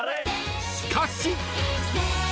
しかし。